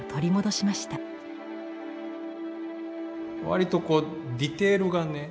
わりとこうディテールがね